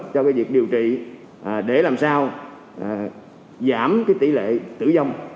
cho việc điều trị để làm sao giảm tỷ lệ tử vong